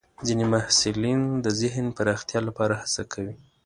ځینې محصلین د ذهن پراختیا لپاره هڅه کوي.